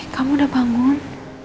kamu udah bangun